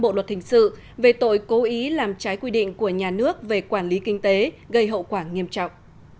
điều một trăm sáu mươi năm bộ luật hình sự về tội cố ý làm trái quy định của nhà nước về quản lý kinh tế gây hậu quả nghiêm trọng